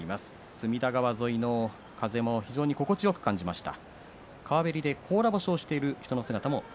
隅田川沿いの風も非常に心地よく感じました。